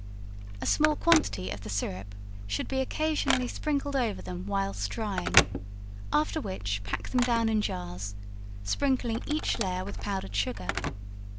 A small quantity of the syrup should be occasionally sprinkled over them whilst drying; after which, pack them down in jars, sprinkling each layer with powdered sugar.